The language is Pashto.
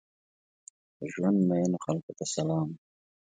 په ژوند مئینو خلکو ته سلام!